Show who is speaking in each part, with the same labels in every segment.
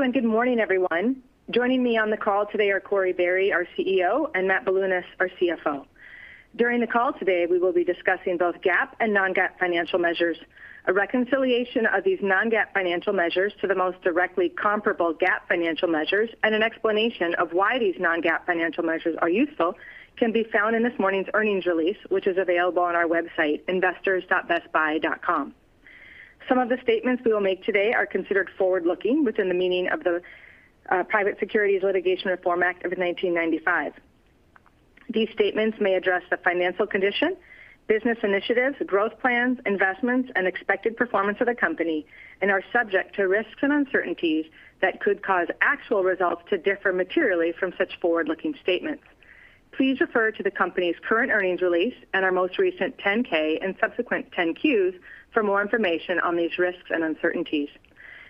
Speaker 1: Thank you. Good morning, everyone. Joining me on the call today are Corie Barry, our CEO, and Matt Bilunas, our CFO. During the call today, we will be discussing both GAAP and non-GAAP financial measures. A reconciliation of these non-GAAP financial measures to the most directly comparable GAAP financial measures, and an explanation of why these non-GAAP financial measures are useful can be found in this morning's earnings release, which is available on our website, investors.bestbuy.com. Some of the statements we will make today are considered forward-looking within the meaning of the Private Securities Litigation Reform Act of 1995. These statements may address the financial condition, business initiatives, growth plans, investments, and expected performance of the company, and are subject to risks and uncertainties that could cause actual results to differ materially from such forward-looking statements. Please refer to the company's current earnings release and our most recent 10-K and subsequent 10-Q for more information on these risks and uncertainties.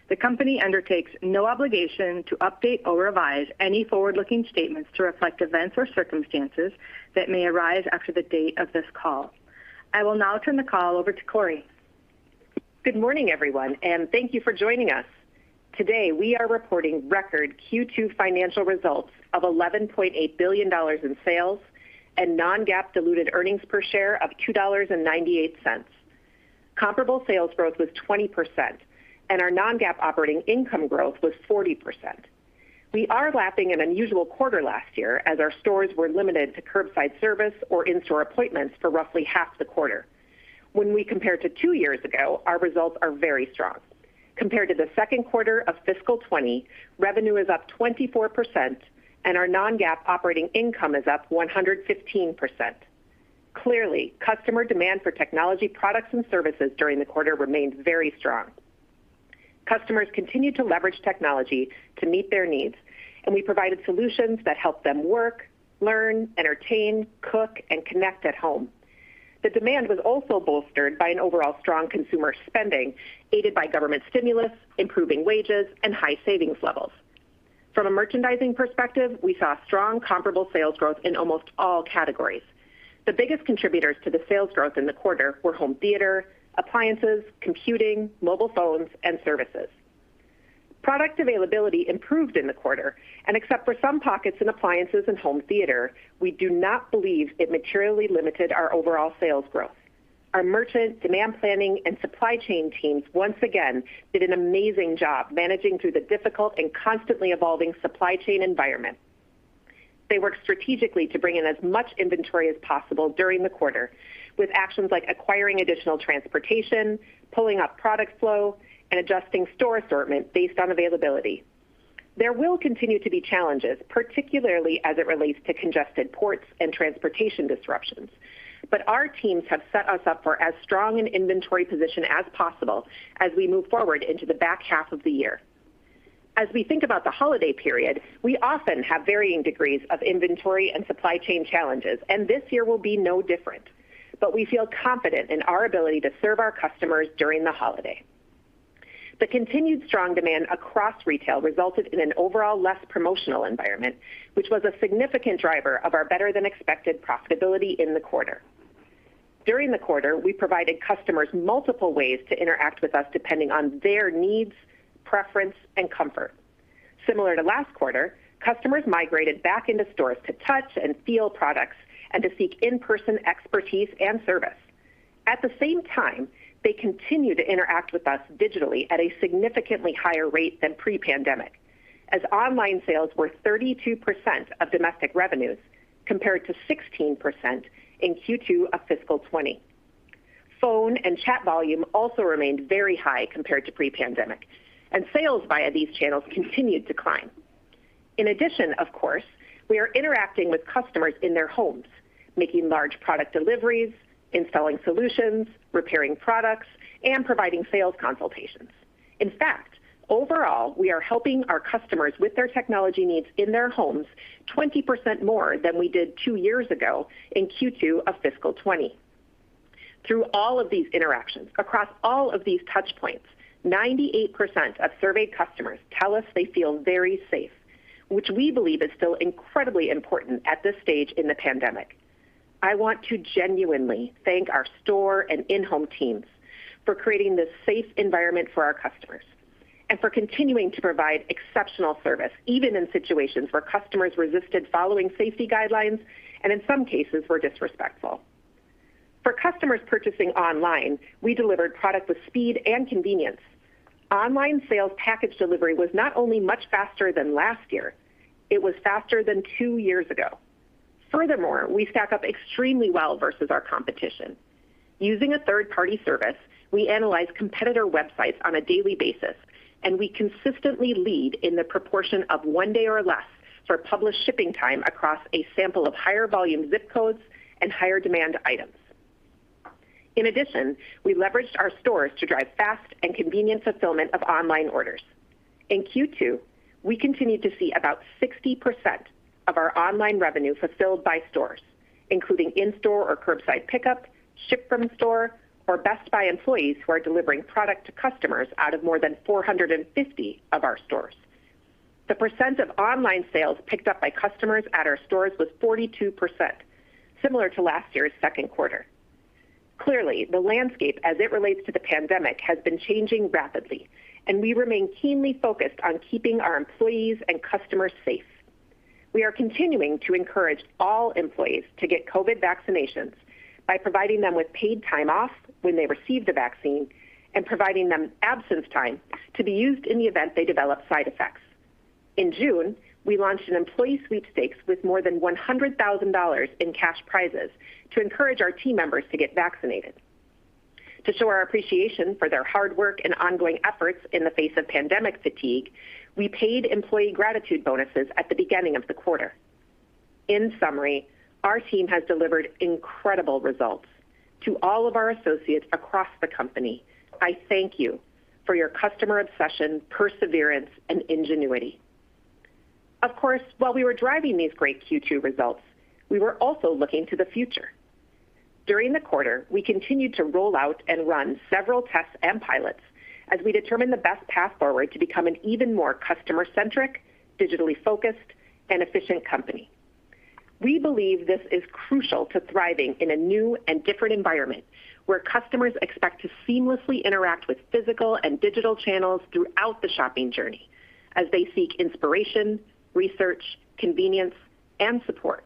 Speaker 1: The company undertakes no obligation to update or revise any forward-looking statements to reflect events or circumstances that may arise after the date of this call. I will now turn the call over to Corie.
Speaker 2: Good morning, everyone, and thank you for joining us. Today, we are reporting record Q2 financial results of $11.8 billion in sales and non-GAAP diluted earnings per share of $2.98. Comparable sales growth was 20%, and our non-GAAP operating income growth was 40%. We are lapping an unusual quarter last year as our stores were limited to curbside service or in-store appointments for roughly half the quarter. When we compare to two years ago, our results are very strong. Compared to the second quarter of fiscal 2020, revenue is up 24%, and our non-GAAP operating income is up 115%. Clearly, customer demand for technology products and services during the quarter remained very strong. Customers continued to leverage technology to meet their needs, and we provided solutions that helped them work, learn, entertain, cook, and connect at home. The demand was also bolstered by an overall strong consumer spending, aided by government stimulus, improving wages, and high savings levels. From a merchandising perspective, we saw strong comparable sales growth in almost all categories. The biggest contributors to the sales growth in the quarter were home theater, appliances, computing, mobile phones, and services. Product availability improved in the quarter, and except for some pockets in appliances and home theater, we do not believe it materially limited our overall sales growth. Our merchant, demand planning, and supply chain teams once again did an amazing job managing through the difficult and constantly evolving supply chain environment. They worked strategically to bring in as much inventory as possible during the quarter with actions like acquiring additional transportation, pulling up product flow, and adjusting store assortment based on availability. There will continue to be challenges, particularly as it relates to congested ports and transportation disruptions. Our teams have set us up for as strong an inventory position as possible as we move forward into the back half of the year. As we think about the holiday period, we often have varying degrees of inventory and supply chain challenges, and this year will be no different. We feel confident in our ability to serve our customers during the holiday. The continued strong demand across retail resulted in an overall less promotional environment, which was a significant driver of our better-than-expected profitability in the quarter. During the quarter, we provided customers multiple ways to interact with us depending on their needs, preference, and comfort. Similar to last quarter, customers migrated back into stores to touch and feel products and to seek in-person expertise and service. At the same time, they continue to interact with us digitally at a significantly higher rate than pre-pandemic, as online sales were 32% of domestic revenues, compared to 16% in Q2 of fiscal 2020. Phone and chat volume also remained very high compared to pre-pandemic, and sales via these channels continued to climb. In addition, of course, we are interacting with customers in their homes, making large product deliveries, installing solutions, repairing products, and providing sales consultations. In fact, overall, we are helping our customers with their technology needs in their homes 20% more than we did two years ago in Q2 of fiscal 2020. Through all of these interactions, across all of these touchpoints, 98% of surveyed customers tell us they feel very safe, which we believe is still incredibly important at this stage in the pandemic. I want to genuinely thank our store and in-home teams for creating this safe environment for our customers and for continuing to provide exceptional service, even in situations where customers resisted following safety guidelines and in some cases were disrespectful. For customers purchasing online, we delivered product with speed and convenience. Online sales package delivery was not only much faster than last year, it was faster than two years ago. Furthermore, we stack up extremely well versus our competition. Using a third-party service, we analyze competitor websites on a daily basis, and we consistently lead in the proportion of one day or less for published shipping time across a sample of higher volume zip codes and higher demand items. In addition, we leveraged our stores to drive fast and convenient fulfillment of online orders. In Q2, we continued to see about 60% of our online revenue fulfilled by stores, including in-store or curbside pickup, ship from store, or Best Buy employees who are delivering product to customers out of more than 450 of our stores. The % of online sales picked up by customers at our stores was 42%, similar to last year's second quarter. Clearly, the landscape as it relates to the pandemic has been changing rapidly, and we remain keenly focused on keeping our employees and customers safe. We are continuing to encourage all employees to get COVID vaccinations by providing them with paid time off when they receive the vaccine and providing them absence time to be used in the event they develop side effects. In June, we launched an employee sweepstakes with more than $100,000 in cash prizes to encourage our team members to get vaccinated. To show our appreciation for their hard work and ongoing efforts in the face of pandemic fatigue, we paid employee gratitude bonuses at the beginning of the quarter. In summary, our team has delivered incredible results. To all of our associates across the company, I thank you for your customer obsession, perseverance, and ingenuity. Of course, while we were driving these great Q2 results, we were also looking to the future. During the quarter, we continued to roll out and run several tests and pilots as we determine the best path forward to become an even more customer-centric, digitally focused, and efficient company. We believe this is crucial to thriving in a new and different environment, where customers expect to seamlessly interact with physical and digital channels throughout the shopping journey as they seek inspiration, research, convenience, and support.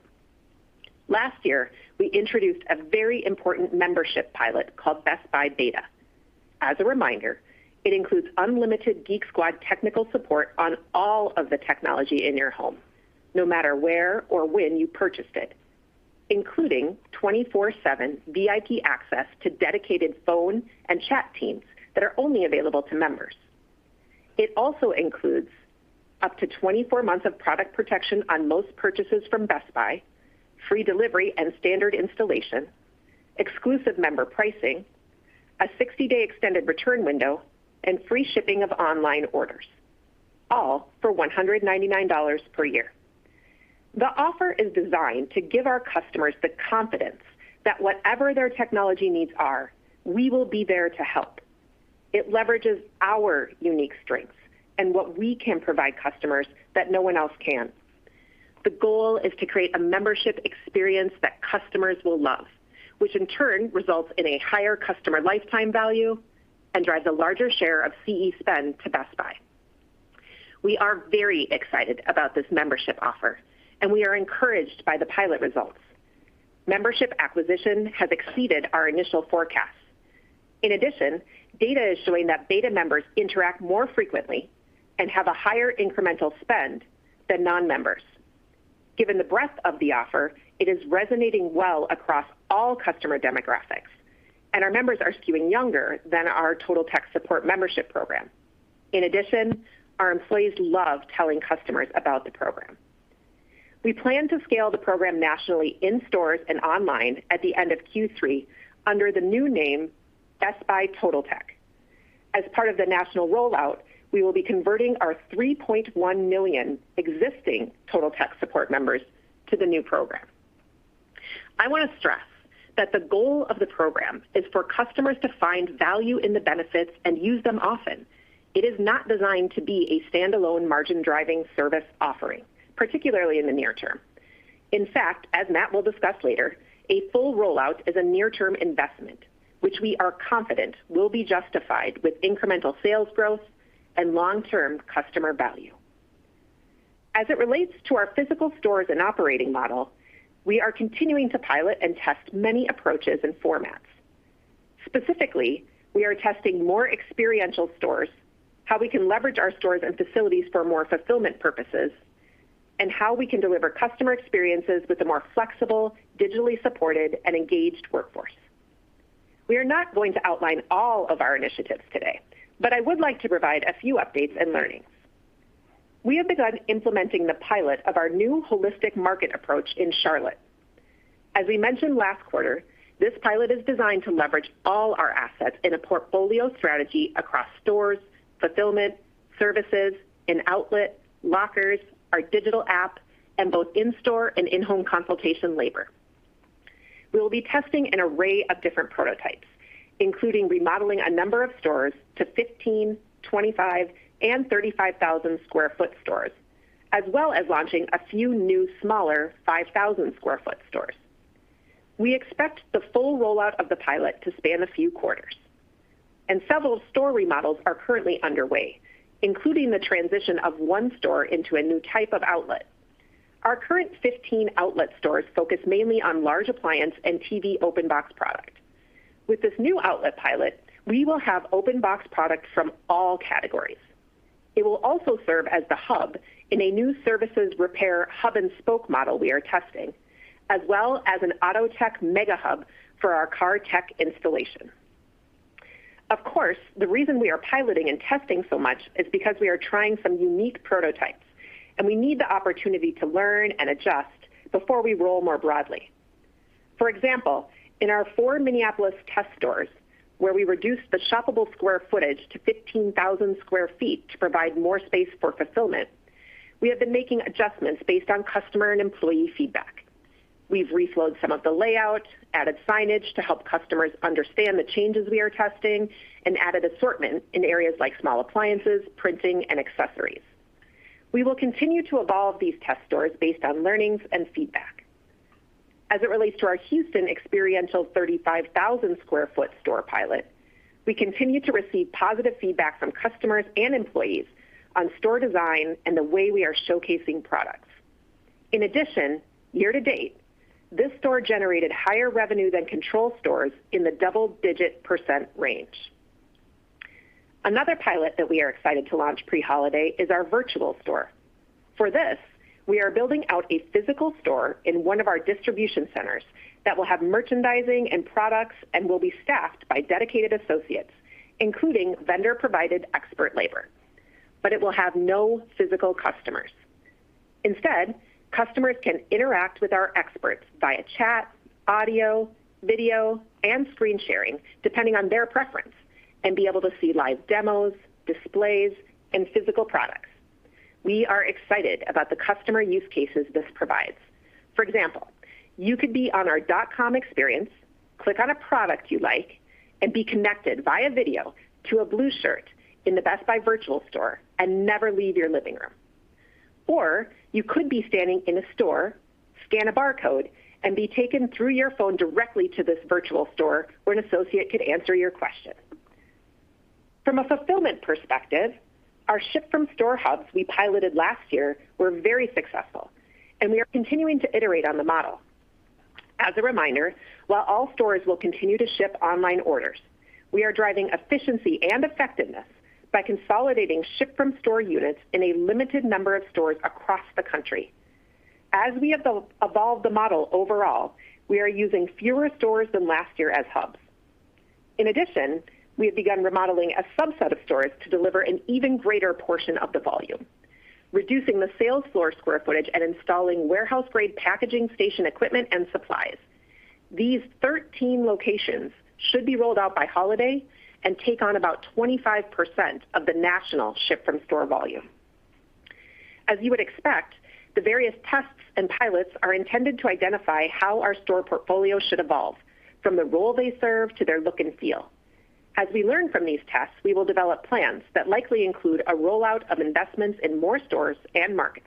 Speaker 2: Last year, we introduced a very important membership pilot called Best Buy Beta. As a reminder, it includes unlimited Geek Squad technical support on all of the technology in your home, no matter where or when you purchased it, including 24/7 VIP access to dedicated phone and chat teams that are only available to members. It also includes up to 24 months of product protection on most purchases from Best Buy, free delivery and standard installation, exclusive member pricing, a 60-day extended return window, and free shipping of online orders, all for $199 per year. The offer is designed to give our customers the confidence that whatever their technology needs are, we will be there to help. It leverages our unique strengths and what we can provide customers that no one else can. The goal is to create a membership experience that customers will love, which in turn results in a higher customer lifetime value and drives a larger share of CE spend to Best Buy. We are very excited about this membership offer, and we are encouraged by the pilot results. Membership acquisition has exceeded our initial forecasts. Data is showing that Beta members interact more frequently and have a higher incremental spend than non-members. Given the breadth of the offer, it is resonating well across all customer demographics, and our members are skewing younger than our Total-Tech Support membership program. Our employees love telling customers about the program. We plan to scale the program nationally in stores and online at the end of Q3 under the new name Best Buy Totaltech. As part of the national rollout, we will be converting our 3.1 million existing Total-Tech Support members to the new program. I want to stress that the goal of the program is for customers to find value in the benefits and use them often. It is not designed to be a standalone margin-driving service offering, particularly in the near term. In fact, as Matt will discuss later, a full rollout is a near-term investment, which we are confident will be justified with incremental sales growth and long-term customer value. As it relates to our physical stores and operating model, we are continuing to pilot and test many approaches and formats. Specifically, we are testing more experiential stores, how we can leverage our stores and facilities for more fulfillment purposes, and how we can deliver customer experiences with a more flexible, digitally supported, and engaged workforce. We are not going to outline all of our initiatives today, but I would like to provide a few updates and learnings. We have begun implementing the pilot of our new holistic market approach in Charlotte. As we mentioned last quarter, this pilot is designed to leverage all our assets in a portfolio strategy across stores, fulfillment, services, and outlet, lockers, our digital app, and both in-store and in-home consultation labor. We will be testing an array of different prototypes, including remodeling a number of stores to 15,000, 25,000, and 35,000 square foot stores, as well as launching a few new smaller 5,000 square foot stores. We expect the full rollout of the pilot to span a few quarters, and several store remodels are currently underway, including the transition of one store into a new type of outlet. Our current 15 outlet stores focus mainly on large appliance and TV open box product. With this new outlet pilot, we will have open box product from all categories. It will also serve as the hub in a new services repair hub-and-spoke model we are testing, as well as an auto tech mega hub for our car tech installation. Of course, the reason we are piloting and testing so much is because we are trying some unique prototypes, and we need the opportunity to learn and adjust before we roll more broadly. For example, in our four Minneapolis test stores, where we reduced the shoppable square footage to 15,000 square feet to provide more space for fulfillment, we have been making adjustments based on customer and employee feedback. We've reflowed some of the layout, added signage to help customers understand the changes we are testing, and added assortment in areas like small appliances, printing, and accessories. We will continue to evolve these test stores based on learnings and feedback. As it relates to our Houston experiential 35,000 square foot store pilot, we continue to receive positive feedback from customers and employees on store design and the way we are showcasing products. In addition, year to date, this store generated higher revenue than control stores in the double-digit % range. Another pilot that we are excited to launch pre-holiday is our virtual store. For this, we are building out a physical store in one of our distribution centers that will have merchandising and products and will be staffed by dedicated associates, including vendor-provided expert labor. It will have no physical customers. Instead, customers can interact with our experts via chat, audio, video, and screen sharing, depending on their preference, and be able to see live demos, displays, and physical products. We are excited about the customer use cases this provides. For example, you could be on our .com experience, click on a product you like, and be connected via video to a Blue Shirt in the Best Buy virtual store and never leave your living room. Or you could be standing in a store, scan a barcode, and be taken through your phone directly to this virtual store where an associate could answer your question. From a fulfillment perspective, our ship from store hubs we piloted last year were very successful, and we are continuing to iterate on the model. As a reminder, while all stores will continue to ship online orders, we are driving efficiency and effectiveness by consolidating ship from store units in a limited number of stores across the country. As we have evolved the model overall, we are using fewer stores than last year as hubs. In addition, we have begun remodeling a subset of stores to deliver an even greater portion of the volume, reducing the sales floor square footage and installing warehouse-grade packaging station equipment and supplies. These 13 locations should be rolled out by holiday and take on about 25% of the national ship from store volume. As you would expect, the various tests and pilots are intended to identify how our store portfolio should evolve, from the role they serve to their look and feel. As we learn from these tests, we will develop plans that likely include a rollout of investments in more stores and markets.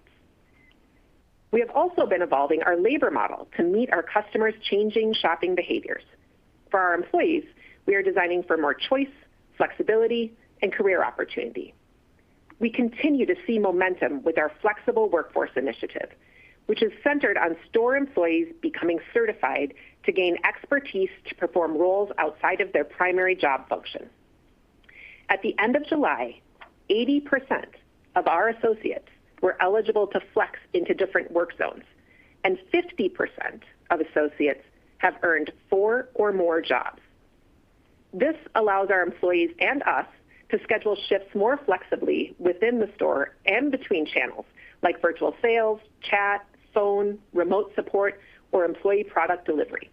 Speaker 2: We have also been evolving our labor model to meet our customers' changing shopping behaviors. For our employees, we are designing for more choice, flexibility, and career opportunity. We continue to see momentum with our flexible workforce initiative, which is centered on store employees becoming certified to gain expertise to perform roles outside of their primary job function. At the end of July, 80% of our associates were eligible to flex into different work zones, and 50% of associates have earned four or more jobs. This allows our employees and us to schedule shifts more flexibly within the store and between channels, like virtual sales, chat, phone, remote support, or employee product delivery.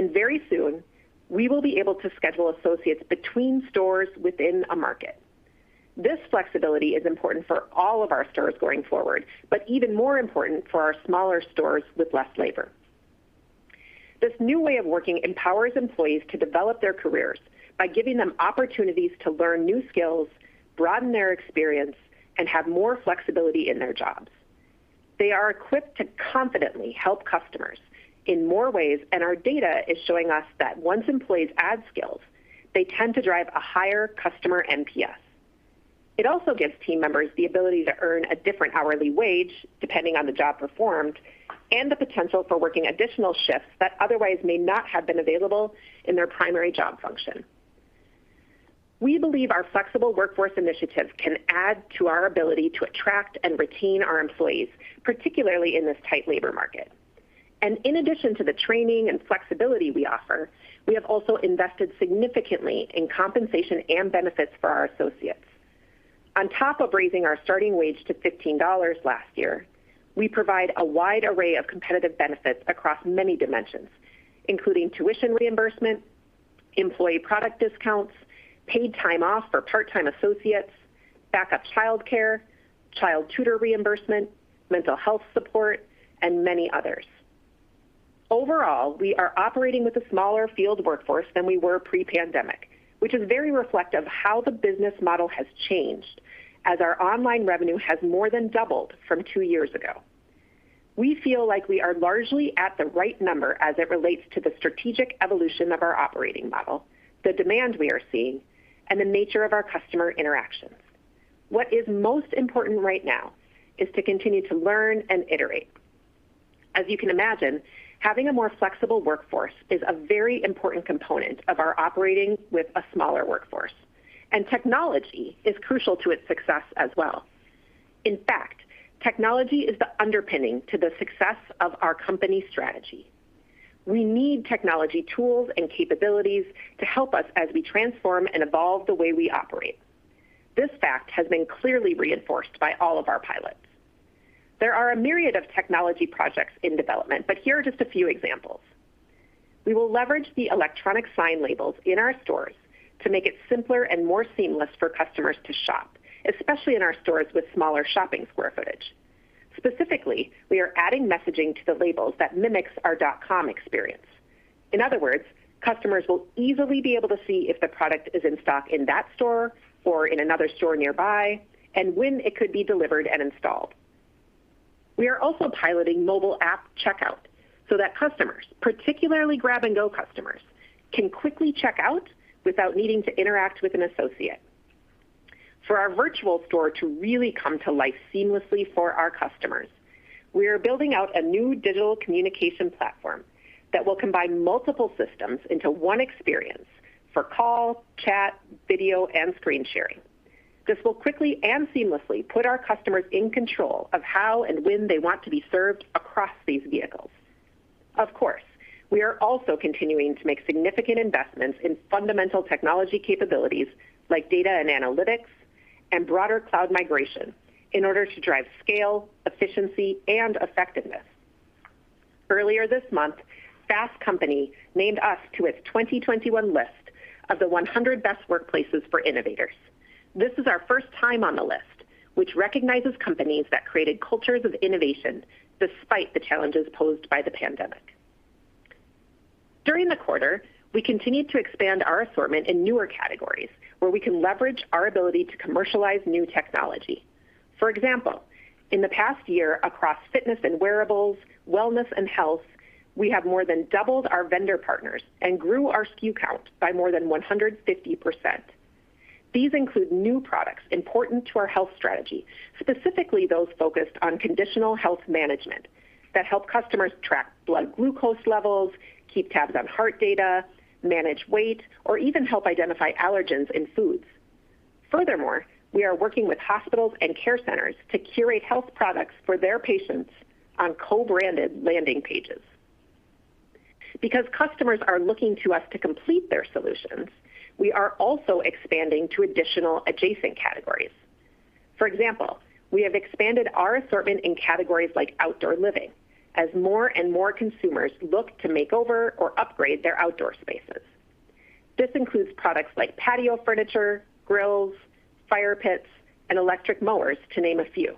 Speaker 2: Very soon, we will be able to schedule associates between stores within a market. This flexibility is important for all of our stores going forward, but even more important for our smaller stores with less labor. This new way of working empowers employees to develop their careers by giving them opportunities to learn new skills, broaden their experience, and have more flexibility in their jobs. They are equipped to confidently help customers in more ways, and our data is showing us that once employees add skills, they tend to drive a higher customer NPS. It also gives team members the ability to earn a different hourly wage, depending on the job performed, and the potential for working additional shifts that otherwise may not have been available in their primary job function. We believe our flexible workforce initiatives can add to our ability to attract and retain our employees, particularly in this tight labor market. In addition to the training and flexibility we offer, we have also invested significantly in compensation and benefits for our associates. On top of raising our starting wage to $15 last year, we provide a wide array of competitive benefits across many dimensions, including tuition reimbursement, employee product discounts, paid time off for part-time associates, backup childcare, child tutor reimbursement, mental health support, and many others. Overall, we are operating with a smaller field workforce than we were pre-pandemic, which is very reflective of how the business model has changed as our online revenue has more than doubled from two years ago. We feel like we are largely at the right number as it relates to the strategic evolution of our operating model, the demand we are seeing, and the nature of our customer interactions. What is most important right now is to continue to learn and iterate. As you can imagine, having a more flexible workforce is a very important component of our operating with a smaller workforce, and technology is crucial to its success as well. In fact, technology is the underpinning to the success of our company strategy. We need technology tools and capabilities to help us as we transform and evolve the way we operate. This fact has been clearly reinforced by all of our pilots. There are a myriad of technology projects in development, but here are just a few examples. We will leverage the electronic sign labels in our stores to make it simpler and more seamless for customers to shop, especially in our stores with smaller shopping square footage. Specifically, we are adding messaging to the labels that mimics our dotcom experience. In other words, customers will easily be able to see if the product is in stock in that store or in another store nearby, and when it could be delivered and installed. We are also piloting mobile app checkout so that customers, particularly grab and go customers, can quickly check out without needing to interact with an associate. For our virtual store to really come to life seamlessly for our customers, we are building out a new digital communication platform that will combine multiple systems into one experience for call, chat, video, and screen sharing. This will quickly and seamlessly put our customers in control of how and when they want to be served across these vehicles. Of course, we are also continuing to make significant investments in fundamental technology capabilities like data and analytics and broader cloud migration in order to drive scale, efficiency, and effectiveness. Earlier this month, Fast Company named us to its 2021 list of the 100 Best Workplaces for Innovators. This is our first time on the list, which recognizes companies that created cultures of innovation despite the challenges posed by the pandemic. During the quarter, we continued to expand our assortment in newer categories where we can leverage our ability to commercialize new technology. For example, in the past year across fitness and wearables, wellness and health, we have more than doubled our vendor partners and grew our SKU count by more than 150%. These include new products important to our health strategy, specifically those focused on conditional health management that help customers track blood glucose levels, keep tabs on heart data, manage weight, or even help identify allergens in foods. Furthermore, we are working with hospitals and care centers to curate health products for their patients on co-branded landing pages. Because customers are looking to us to complete their solutions, we are also expanding to additional adjacent categories. For example, we have expanded our assortment in categories like outdoor living as more and more consumers look to make over or upgrade their outdoor spaces. This includes products like patio furniture, grills, fire pits, and electric mowers, to name a few.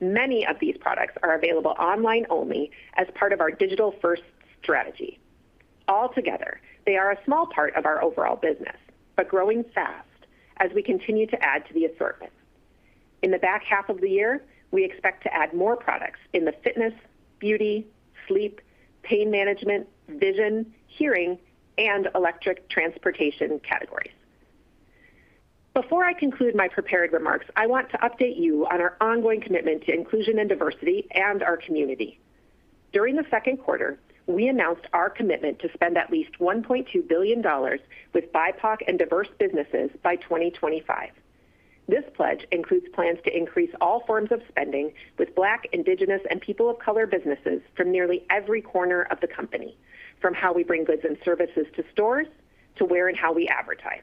Speaker 2: Many of these products are available online only as part of our digital-first strategy. Altogether, they are a small part of our overall business, but growing fast as we continue to add to the assortment. In the back half of the year, we expect to add more products in the fitness, beauty, sleep, pain management, vision, hearing, and electric transportation categories. Before I conclude my prepared remarks, I want to update you on our ongoing commitment to inclusion and diversity and our community. During the second quarter, we announced our commitment to spend at least $1.2 billion with BIPOC and diverse businesses by 2025. This pledge includes plans to increase all forms of spending with Black, Indigenous, and people of color businesses from nearly every corner of the company, from how we bring goods and services to stores, to where and how we advertise.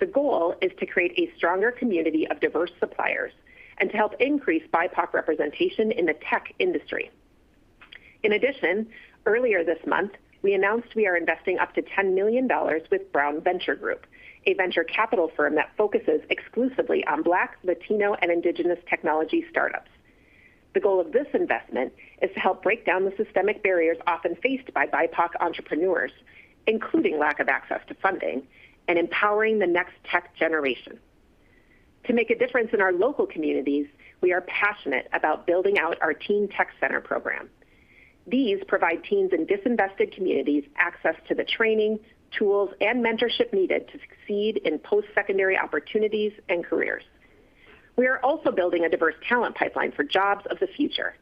Speaker 2: The goal is to create a stronger community of diverse suppliers and to help increase BIPOC representation in the tech industry. In addition, earlier this month, we announced we are investing up to $10 million with Brown Venture Group, a venture capital firm that focuses exclusively on Black, Latino, and Indigenous technology startups. The goal of this investment is to help break down the systemic barriers often faced by BIPOC entrepreneurs, including lack of access to funding and empowering the next tech generation. To make a difference in our local communities, we are passionate about building out our Teen Tech Center program. These provide teens in disinvested communities access to the training, tools, and mentorship needed to succeed in post-secondary opportunities and careers. We are also building a diverse talent pipeline for jobs of the future.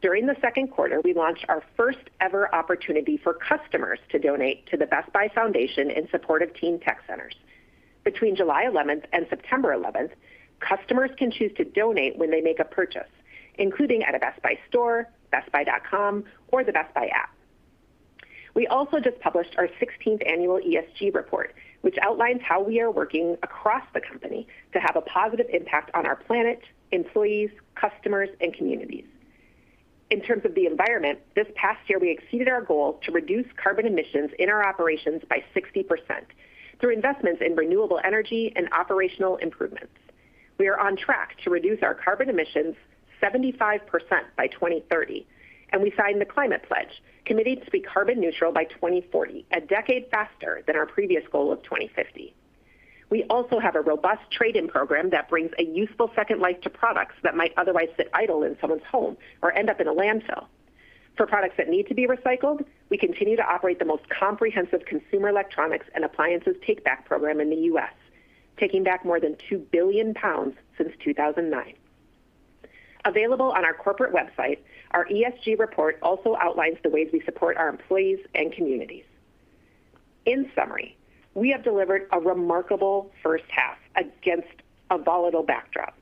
Speaker 2: During the second quarter, we launched our first ever opportunity for customers to donate to the Best Buy Foundation in support of Teen Tech Centers. Between July 11th and September 11th, customers can choose to donate when they make a purchase, including at a Best Buy store, bestbuy.com, or the Best Buy app. We also just published our 16th annual ESG report, which outlines how we are working across the company to have a positive impact on our planet, employees, customers, and communities. In terms of the environment, this past year we exceeded our goal to reduce carbon emissions in our operations by 60% through investments in renewable energy and operational improvements. We are on track to reduce our carbon emissions 75% by 2030, we signed The Climate Pledge, committing to be carbon neutral by 2040, a decade faster than our previous goal of 2050. We also have a robust trade-in program that brings a useful second life to products that might otherwise sit idle in someone's home or end up in a landfill. For products that need to be recycled, we continue to operate the most comprehensive consumer electronics and appliances take-back program in the U.S., taking back more than 2 billion pounds since 2009. Available on our corporate website, our ESG report also outlines the ways we support our employees and communities. In summary, we have delivered a remarkable first half against a volatile backdrop.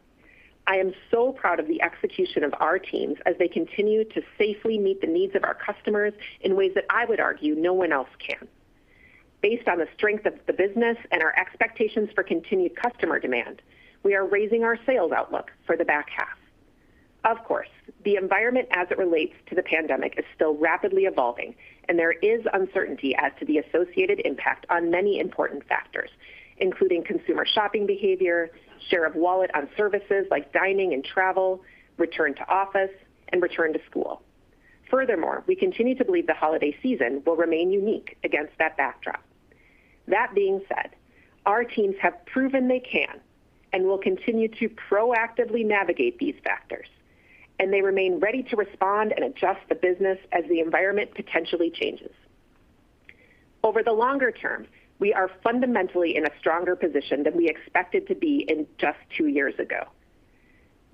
Speaker 2: I am so proud of the execution of our teams as they continue to safely meet the needs of our customers in ways that I would argue no one else can. Based on the strength of the business and our expectations for continued customer demand, we are raising our sales outlook for the back half. Of course, the environment as it relates to the pandemic is still rapidly evolving, and there is uncertainty as to the associated impact on many important factors, including consumer shopping behavior, share of wallet on services like dining and travel, return to office, and return to school. Furthermore, we continue to believe the holiday season will remain unique against that backdrop. That being said, our teams have proven they can and will continue to proactively navigate these factors, and they remain ready to respond and adjust the business as the environment potentially changes. Over the longer term, we are fundamentally in a stronger position than we expected to be in just two years ago.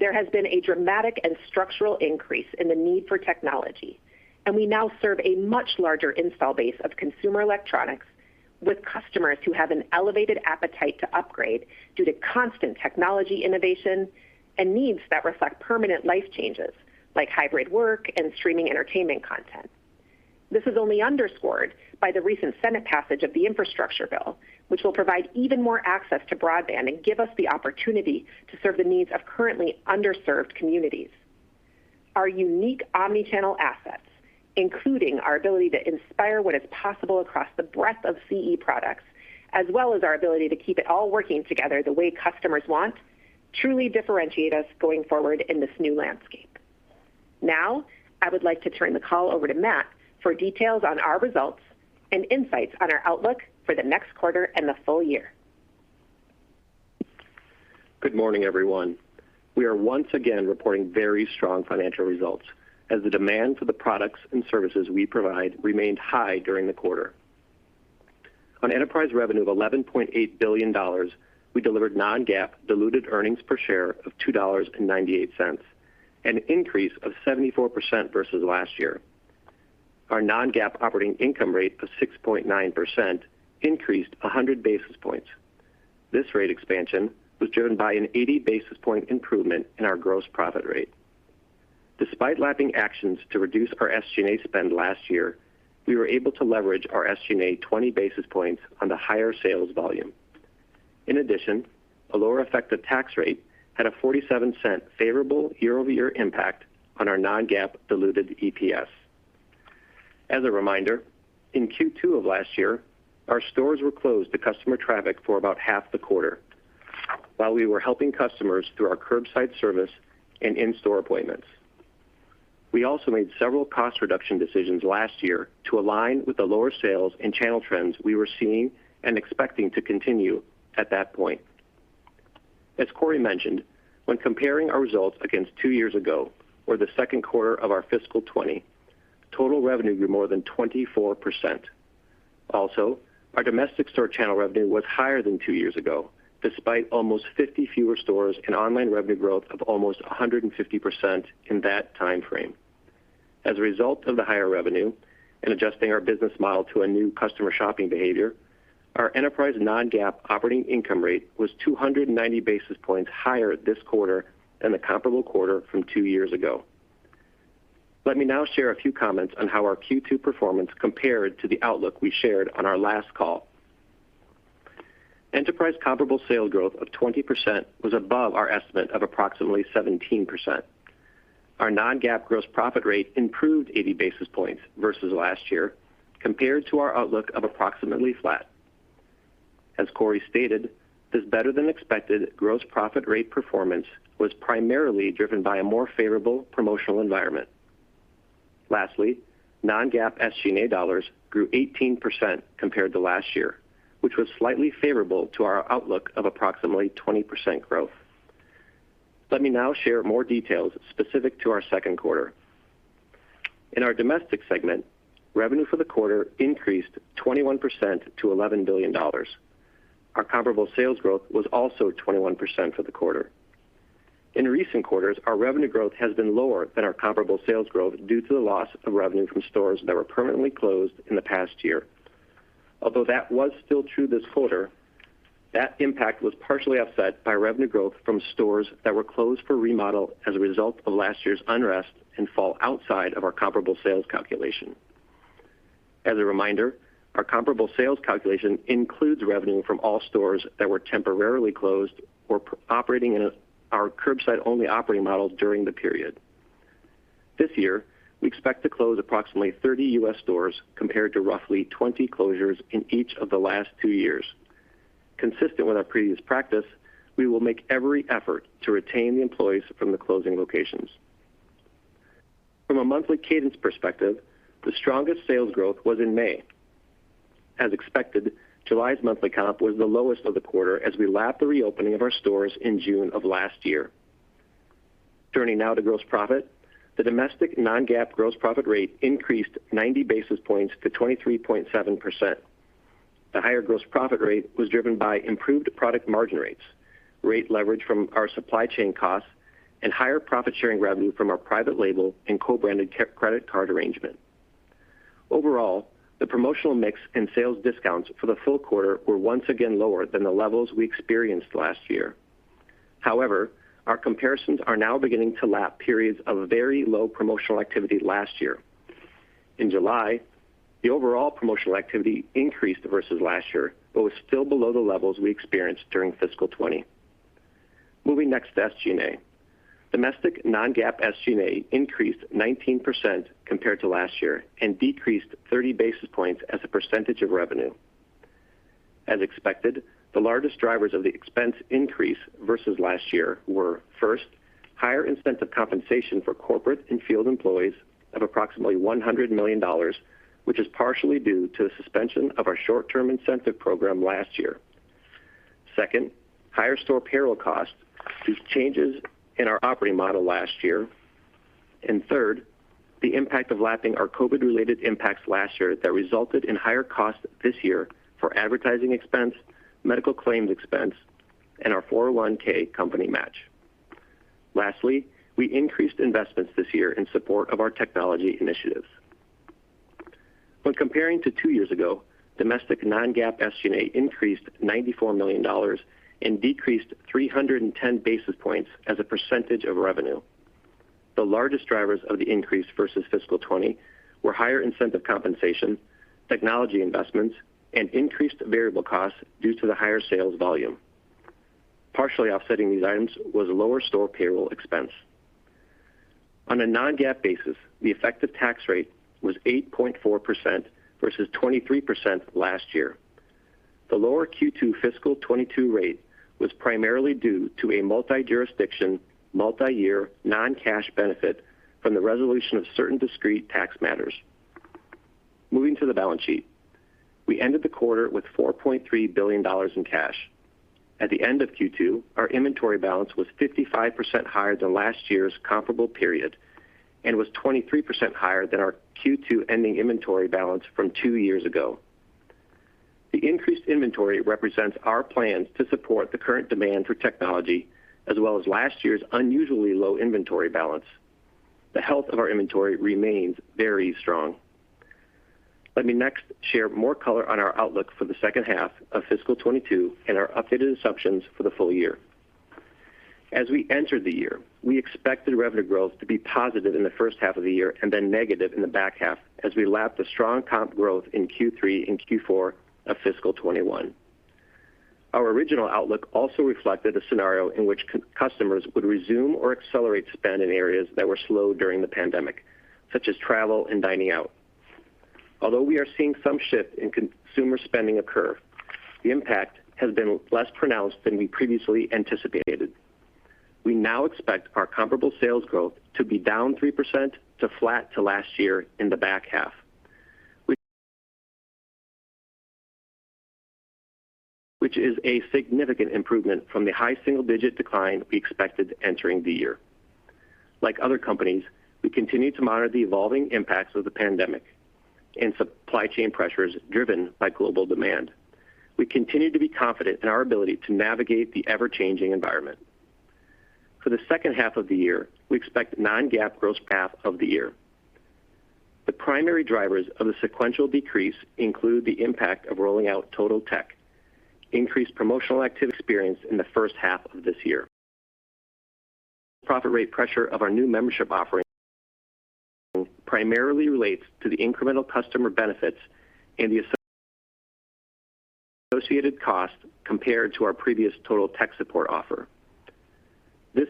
Speaker 2: There has been a dramatic and structural increase in the need for technology, and we now serve a much larger install base of consumer electronics with customers who have an elevated appetite to upgrade due to constant technology innovation and needs that reflect permanent life changes like hybrid work and streaming entertainment content. This is only underscored by the recent Senate passage of the infrastructure bill, which will provide even more access to broadband and give us the opportunity to serve the needs of currently underserved communities. Our unique omni-channel assets, including our ability to inspire what is possible across the breadth of CE products, as well as our ability to keep it all working together the way customers want, truly differentiate us going forward in this new landscape. Now, I would like to turn the call over to Matt for details on our results and insights on our outlook for the next quarter and the full year.
Speaker 3: Good morning, everyone. We are once again reporting very strong financial results as the demand for the products and services we provide remained high during the quarter. On enterprise revenue of $11.8 billion, we delivered non-GAAP diluted earnings per share of $2.98, an increase of 74% versus last year. Our non-GAAP operating income rate of 6.9% increased 100 basis points. This rate expansion was driven by an 80 basis point improvement in our gross profit rate. Despite lapping actions to reduce our SG&A spend last year, we were able to leverage our SG&A 20 basis points on the higher sales volume. In addition, a lower effective tax rate had a $0.47 favorable year-over-year impact on our non-GAAP diluted EPS. As a reminder, in Q2 of last year, our stores were closed to customer traffic for about half the quarter while we were helping customers through our curbside service and in-store appointments. We also made several cost reduction decisions last year to align with the lower sales and channel trends we were seeing and expecting to continue at that point. As Corie mentioned, when comparing our results against two years ago or the second quarter of our fiscal 2020, total revenue grew more than 24%. Our domestic store channel revenue was higher than two years ago, despite almost 50 fewer stores and online revenue growth of almost 150% in that timeframe. As a result of the higher revenue and adjusting our business model to a new customer shopping behavior, our enterprise non-GAAP operating income rate was 290 basis points higher this quarter than the comparable quarter from two years ago. Let me now share a few comments on how our Q2 performance compared to the outlook we shared on our last call. Enterprise comparable sales growth of 20% was above our estimate of approximately 17%. Our non-GAAP gross profit rate improved 80 basis points versus last year, compared to our outlook of approximately flat. As Corie stated, this better-than-expected gross profit rate performance was primarily driven by a more favorable promotional environment. Lastly, non-GAAP SG&A dollars grew 18% compared to last year, which was slightly favorable to our outlook of approximately 20% growth. Let me now share more details specific to our second quarter. In our domestic segment, revenue for the quarter increased 21% to $11 billion. Our comparable sales growth was also 21% for the quarter. In recent quarters, our revenue growth has been lower than our comparable sales growth due to the loss of revenue from stores that were permanently closed in the past year. Although that was still true this quarter, that impact was partially offset by revenue growth from stores that were closed for remodel as a result of last year's unrest and fall outside of our comparable sales calculation. As a reminder, our comparable sales calculation includes revenue from all stores that were temporarily closed or operating in our curbside-only operating model during the period. This year, we expect to close approximately 30 U.S. stores, compared to roughly 20 closures in each of the last two years. Consistent with our previous practice, we will make every effort to retain the employees from the closing locations. From a monthly cadence perspective, the strongest sales growth was in May. As expected, July's monthly comp was the lowest of the quarter as we lapped the reopening of our stores in June of last year. Turning now to gross profit. The domestic non-GAAP gross profit rate increased 90 basis points to 23.7%. The higher gross profit rate was driven by improved product margin rates, rate leverage from our supply chain costs, and higher profit-sharing revenue from our private label and co-branded credit card arrangement. Overall, the promotional mix and sales discounts for the full quarter were once again lower than the levels we experienced last year. Our comparisons are now beginning to lap periods of very low promotional activity last year. In July, the overall promotional activity increased versus last year but was still below the levels we experienced during fiscal 2020. Moving next to SG&A. Domestic non-GAAP SG&A increased 19% compared to last year and decreased 30 basis points as a percentage of revenue. As expected, the largest drivers of the expense increase versus last year were, first, higher incentive compensation for corporate and field employees of approximately $100 million, which is partially due to the suspension of our short-term incentive program last year. Second, higher store payroll costs due to changes in our operating model last year. Third, the impact of lapping our COVID-related impacts last year that resulted in higher costs this year for advertising expense, medical claims expense, and our 401(k) company match. Lastly, we increased investments this year in support of our technology initiatives. When comparing to two years ago, domestic non-GAAP SG&A increased $94 million and decreased 310 basis points as a percentage of revenue. The largest drivers of the increase versus fiscal 2020 were higher incentive compensation, technology investments, and increased variable costs due to the higher sales volume. Partially offsetting these items was lower store payroll expense. On a non-GAAP basis, the effective tax rate was 8.4% versus 23% last year. The lower Q2 fiscal 2022 rate was primarily due to a multi-jurisdiction, multi-year non-cash benefit from the resolution of certain discrete tax matters. Moving to the balance sheet. We ended the quarter with $4.3 billion in cash. At the end of Q2, our inventory balance was 55% higher than last year's comparable period and was 23% higher than our Q2 ending inventory balance from two years ago. The increased inventory represents our plans to support the current demand for technology, as well as last year's unusually low inventory balance. The health of our inventory remains very strong. Let me next share more color on our outlook for the second half of fiscal 2022 and our updated assumptions for the full year. As we entered the year, we expected revenue growth to be positive in the first half of the year and then negative in the back half as we lapped the strong comp growth in Q3 and Q4 of fiscal 2021. Our original outlook also reflected a scenario in which customers would resume or accelerate spend in areas that were slow during the pandemic, such as travel and dining out. Although we are seeing some shift in consumer spending occur, the impact has been less pronounced than we previously anticipated. We now expect our comparable sales growth to be down 3% to flat to last year in the back half. Which is a significant improvement from the high single-digit decline we expected entering the year. Like other companies, we continue to monitor the evolving impacts of the pandemic and supply chain pressures driven by global demand. We continue to be confident in our ability to navigate the ever-changing environment. For the second half of the year, we expect non-GAAP gross [path] of the year. The primary drivers of the sequential decrease include the impact of rolling out Total Tech, increased promotional activity experience in the first half of this year. Profit rate pressure of our new membership offering primarily relates to the incremental customer benefits and the associated cost compared to our previous Total Tech Support offer. This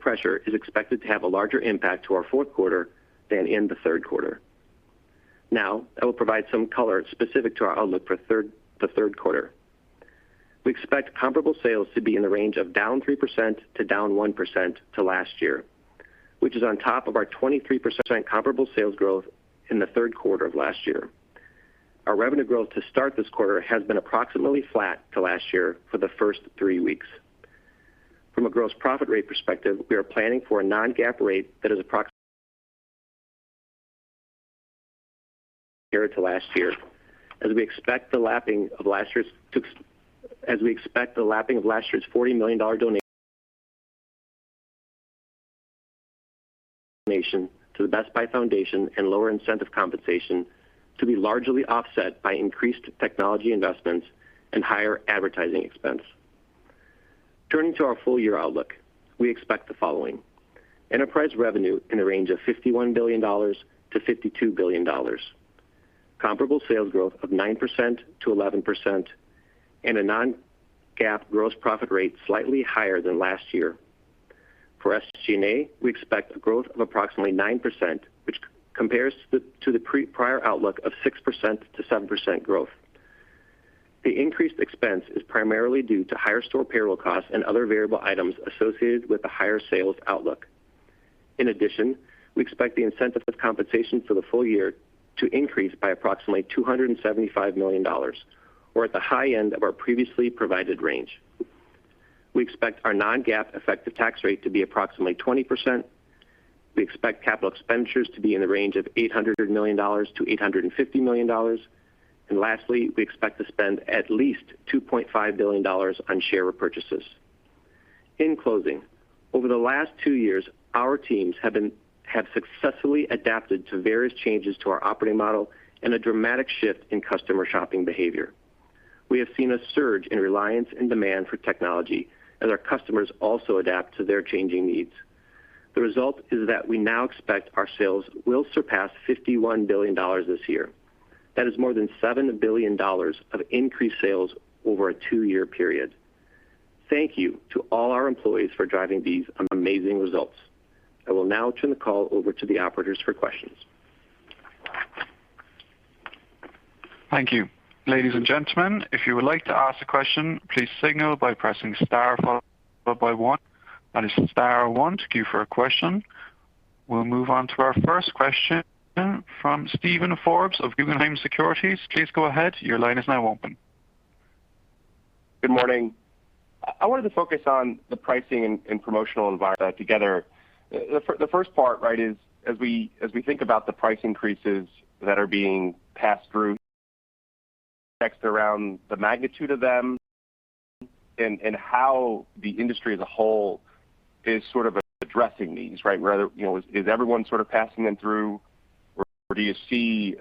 Speaker 3: pressure is expected to have a larger impact to our fourth quarter than in the third quarter. I will provide some color specific to our outlook for the third quarter. We expect comparable sales to be in the range of down 3% to down 1% to last year, which is on top of our 23% comparable sales growth in the third quarter of last year. Our revenue growth to start this quarter has been approximately flat to last year for the first three weeks. From a gross profit rate perspective, we are planning for a non-GAAP rate that is [approximately] compared to last year as we expect the lapping of last year's $40 million donation to the Best Buy Foundation and lower incentive compensation to be largely offset by increased technology investments and higher advertising expense. Turning to our full-year outlook, we expect the following. Enterprise revenue in the range of $51 billion-$52 billion. Comparable sales growth of 9%-11%, a non-GAAP gross profit rate slightly higher than last year. For SG&A, we expect growth of approximately 9%, which compares to the prior outlook of 6%-7% growth. The increased expense is primarily due to higher store payroll costs and other variable items associated with the higher sales outlook. In addition, we expect the incentive compensation for the full year to increase by approximately $275 million, or at the high end of our previously provided range. We expect our non-GAAP effective tax rate to be approximately 20%. We expect capital expenditures to be in the range of $800 million-$850 million. Lastly, we expect to spend at least $2.5 billion on share repurchases. In closing, over the last two years, our teams have successfully adapted to various changes to our operating model and a dramatic shift in customer shopping behavior. We have seen a surge in reliance and demand for technology as our customers also adapt to their changing needs. The result is that we now expect our sales will surpass $51 billion this year. That is more than $7 billion of increased sales over a two-year period. Thank you to all our employees for driving these amazing results. I will now turn the call over to the operators for questions.
Speaker 4: Thank you. Ladies and gentlemen, if you would like to ask a question, please signal by pressing star followed by one. That is star one to queue for a question. We'll move on to our first question from Steven Forbes of Guggenheim Securities. Please go ahead. Your line is now open.
Speaker 5: Good morning. I wanted to focus on the pricing and promotional environment together. The first part is as we think about the price increases that are being passed through, talk around the magnitude of them and how the industry as a whole is sort of addressing these, right? Is everyone sort of passing them through or do you see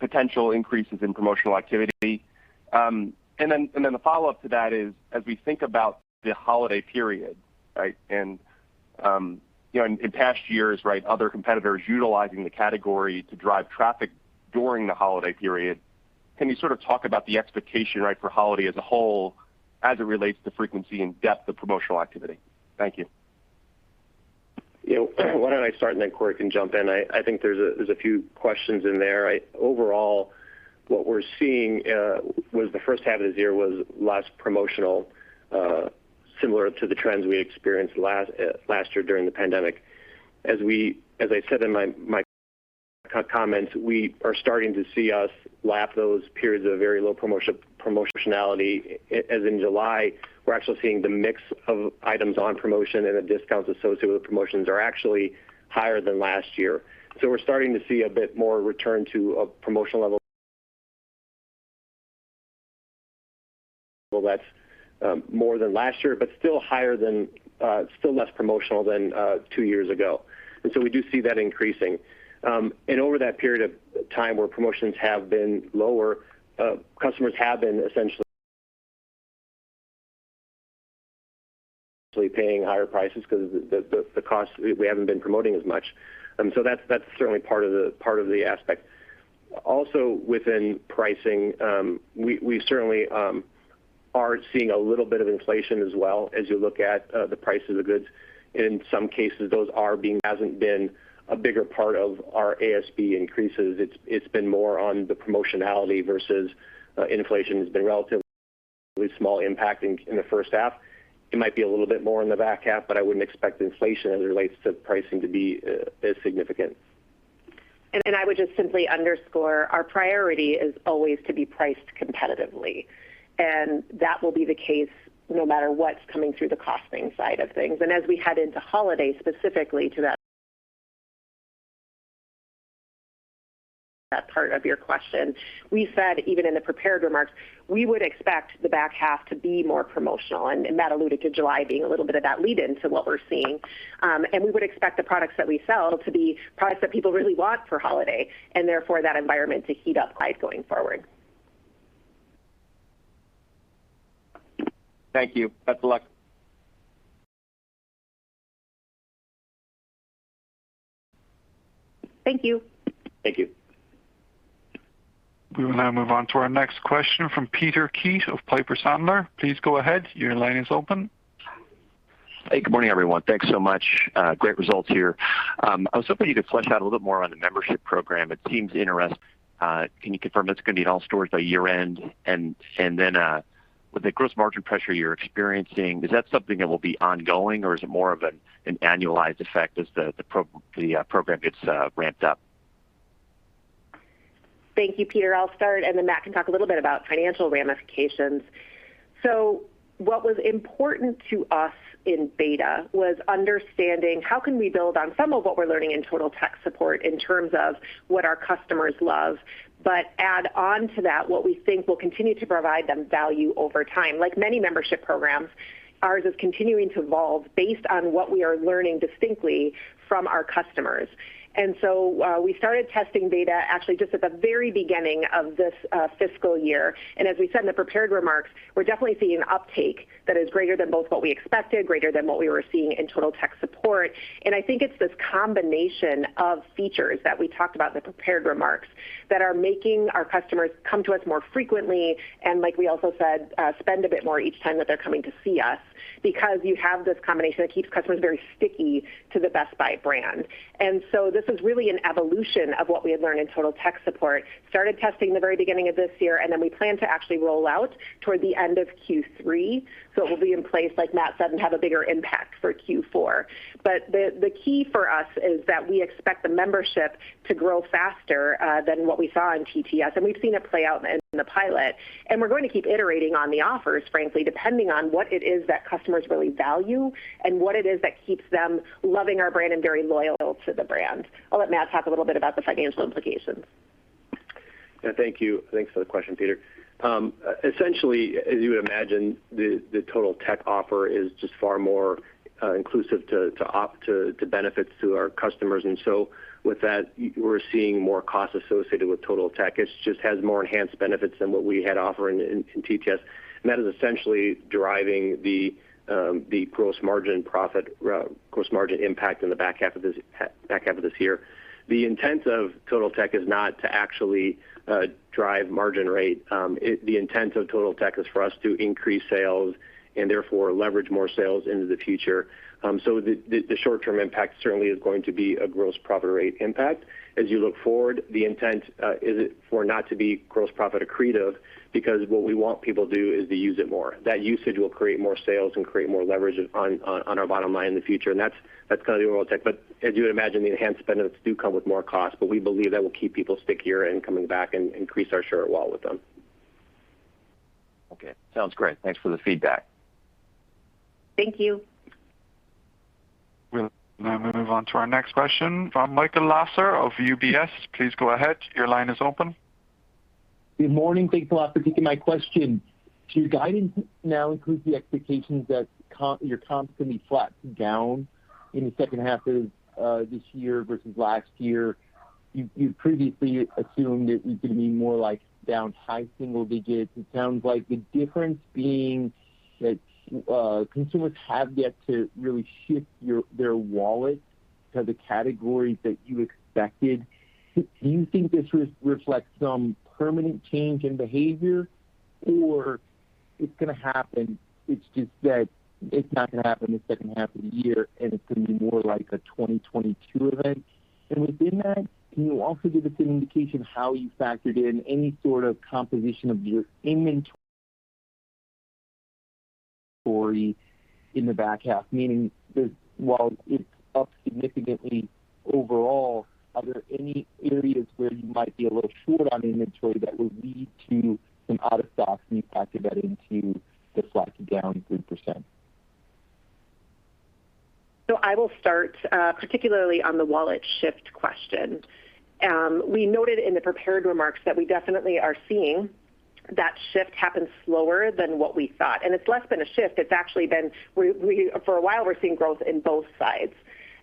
Speaker 5: potential increases in promotional activity? The follow-up to that is, as we think about the holiday period, and in past years, other competitors utilizing the category to drive traffic during the holiday period, can you sort of talk about the expectation for holiday as a whole as it relates to frequency and depth of promotional activity? Thank you.
Speaker 3: Why don't I start and then Corie can jump in. I think there's a few questions in there. Overall, what we're seeing was the first half of the year was less promotional, similar to the trends we experienced last year during the pandemic. As I said in my comments, we are starting to see us lap those periods of very low promotionality, as in July, we're actually seeing the mix of items on promotion and the discounts associated with promotions are actually higher than last year. We're starting to see a bit more return to a promotional level that's more than last year, but still less promotional than two years ago. We do see that increasing. Over that period of time where promotions have been lower, customers have been essentially paying higher prices because of the cost, we haven't been promoting as much. That's certainly part of the aspect. Also within pricing, we certainly are seeing a little bit of inflation as well as you look at the price of the goods. In some cases, it hasn't been a bigger part of our ASP increases. It's been more on the promotionality versus inflation has been relatively small impact in the first half. It might be a little bit more in the back half. I wouldn't expect inflation as it relates to pricing to be as significant.
Speaker 2: I would just simply underscore, our priority is always to be priced competitively, and that will be the case no matter what's coming through the costing side of things. As we head into holiday, specifically to that part of your question, we said, even in the prepared remarks, we would expect the back half to be more promotional. Matt alluded to July being a little bit of that lead-in to what we're seeing. We would expect the products that we sell to be products that people really want for holiday, and therefore, that environment to heat up going forward.
Speaker 5: Thank you. Best of luck.
Speaker 2: Thank you.
Speaker 5: Thank you.
Speaker 4: We will now move on to our next question from Peter Keith of Piper Sandler. Please go ahead. Your line is open.
Speaker 6: Hey, good morning, everyone. Thanks so much. Great results here. I was hoping you could flesh out a little bit more on the membership program. It seems interest. Can you confirm it's going to be in all stores by year-end? With the gross margin pressure you're experiencing, is that something that will be ongoing or is it more of an annualized effect as the program gets ramped up?
Speaker 2: Thank you, Peter. I'll start and then Matt can talk a little bit about financial ramifications. What was important to us in Beta was understanding how can we build on some of what we're learning in Total Tech Support in terms of what our customers love, but add on to that what we think will continue to provide them value over time. Like many membership programs, ours is continuing to evolve based on what we are learning distinctly from our customers. We started testing Beta actually just at the very beginning of this fiscal year. As we said in the prepared remarks, we're definitely seeing uptake that is greater than both what we expected, greater than what we were seeing in Total Tech Support and I think it's this combination of features that we talked about in the prepared remarks that are making our customers come to us more frequently, and like we also said, spend a bit more each time that they're coming to see us because you have this combination that keeps customers very sticky to the Best Buy brand. This is really an evolution of what we had learned in Total Tech Support. Started testing the very beginning of this year. We plan to actually roll out toward the end of Q3. It will be in place, like Matt said, and have a bigger impact for Q4. The key for us is that we expect the membership to grow faster than what we saw in TTS. We've seen it play out in the pilot, and we're going to keep iterating on the offers, frankly, depending on what it is that customers really value and what it is that keeps them loving our brand and very loyal to the brand. I'll let Matt talk a little bit about the financial implications.
Speaker 3: Yeah. Thank you. Thanks for the question, Peter. Essentially, as you would imagine, the Totaltech offer is just far more inclusive to benefits to our customers. With that, we're seeing more costs associated with Totaltech. It just has more enhanced benefits than what we had offered in TTS, and that is essentially driving the gross margin impact in the back half of this year. The intent of Totaltech is not to actually drive margin rate. The intent of Totaltech is for us to increase sales and therefore leverage more sales into the future. The short-term impact certainly is going to be a gross profit rate impact. As you look forward, the intent is for not to be gross profit accretive, because what we want people to do is to use it more. That usage will create more sales and create more leverage on our bottom line in the future. That's kind of the Totaltech. As you would imagine, the enhanced benefits do come with more cost, but we believe that will keep people stickier and coming back and increase our share of wallet with them.
Speaker 6: Okay. Sounds great. Thanks for the feedback.
Speaker 1: Thank you.
Speaker 4: We'll now move on to our next question from Michael Lasser of UBS. Please go ahead. Your line is open.
Speaker 7: Good morning. Thanks a lot for taking my question. Your guidance now includes the expectations that your comps going to be flat to down in the second half of this year versus last year. You previously assumed that it was going to be more down high single digits. It sounds like the difference being that consumers have yet to really shift their wallet to the categories that you expected. Do you think this reflects some permanent change in behavior, or it's going to happen, it's just that it's not going to happen the second half of the year, and it's going to be more like a 2022 event? Within that, can you also give us an indication how you factored in any sort of composition of your inventory in the back half, meaning that while it's up significantly overall, are there any areas where you might be a little short on inventory that would lead to some out of stocks, and you factored that into the flat to down 3%?
Speaker 2: I will start, particularly on the wallet shift question. We noted in the prepared remarks that we definitely are seeing that shift happen slower than what we thought. It's less than a shift. It's actually been, for a while, we're seeing growth in both sides.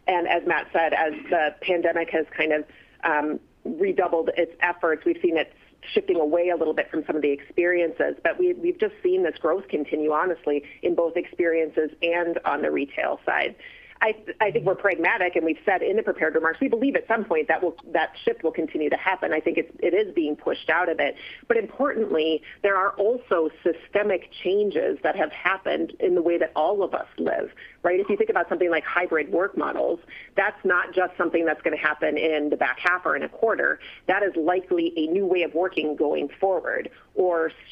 Speaker 2: As Matt said, as the pandemic has kind of redoubled its efforts, we've seen it shifting away a little bit from some of the experiences. We've just seen this growth continue, honestly, in both experiences and on the retail side. I think we're pragmatic, and we've said in the prepared remarks, we believe at some point that shift will continue to happen. I think it is being pushed out a bit. Importantly, there are also systemic changes that have happened in the way that all of us live. Right? If you think about something like hybrid work models, that's not just something that's going to happen in the back half or in a quarter. That is likely a new way of working going forward.